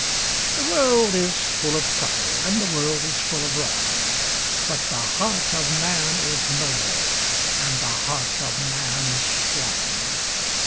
The world is full of trouble, And the world is full of wrong, But the heart of man is noble, And the heart of man is strong!